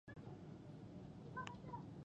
دغه ملت ستاسي د هیواد خدمت وکړو.